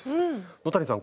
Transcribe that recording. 野谷さん